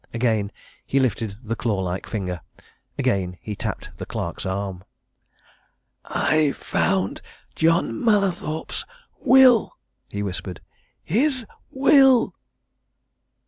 Again he lifted the claw like finger: again he tapped the clerk's arm. "I found John Mallathorpe's will!" he whispered. "His will!"